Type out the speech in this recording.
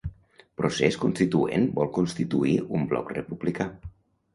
Procés Constituent vol constituir un bloc republicà